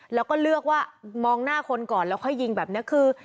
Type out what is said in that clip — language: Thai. แล้วก็เลือกว่ามองหน้าคนก่อนแล้วค่อยยิงแบบนี้คือ